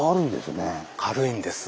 軽いんです。